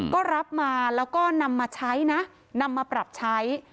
ก็รับมาแล้วก็นำมาใช้นะนำมาปรับใช้